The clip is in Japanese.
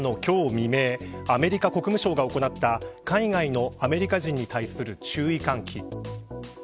未明アメリカ国務省が行った海外のアメリカ人に対する注意喚起。